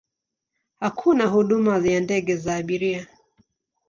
Hakuna huduma ya ndege za abiria.